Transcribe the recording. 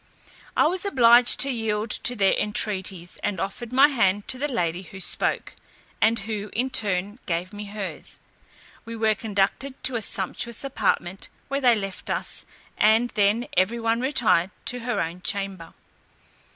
I was obliged to yield to their entreaties, and offered my hand to the lady who spoke, and who, in return, gave me hers. We were conducted to a sumptuous apartment, where they left us; and then every one retired to her own chamber.